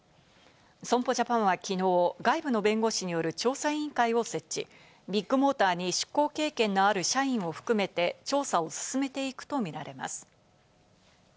損保ジャパンはきのう、外部の弁護士による調査委員会を設置、ビッグモーターに出向経験のある社員を含めて調査を進めていくとみられます。